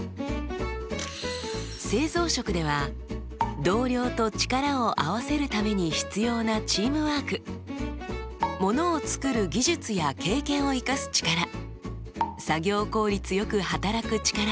製造職では同僚と力を合わせるために必要なチームワークものを作る技術や経験を生かす力作業効率よく働く力